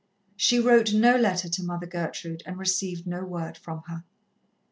She wrote no letter to Mother Gertrude, and received no word from her.